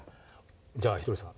じゃあひとりさん